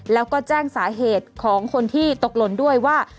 แล้วก็แจ้งสาเหตุของคนที่ตกหล่นด้วยว่า